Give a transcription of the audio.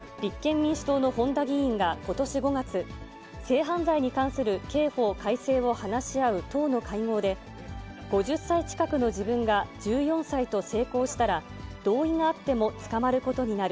この問題は、立憲民主党の本多議員がことし５月、性犯罪に関する刑法改正を話し合う党の会合で、５０歳近くの自分が１４歳と性交したら同意があっても捕まることになる。